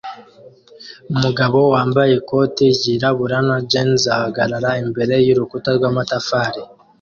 Umugabo wambaye ikoti ryirabura na jans ahagarara imbere yurukuta rwamatafari